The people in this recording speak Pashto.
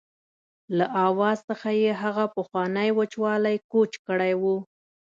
له آواز څخه یې هغه پخوانی وچوالی کوچ کړی و.